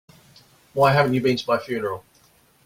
Why haven't you been to my funeral?